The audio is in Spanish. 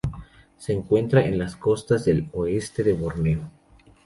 Se encuentran en las costas del oeste de Borneo.